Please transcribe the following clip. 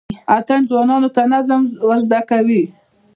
اتڼ ځوانانو ته نظم ور زده کوي.